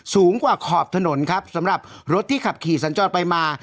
สูงกว่าขอบถนนครับสำหรับรถที่ขับขี่สัญจรไปมา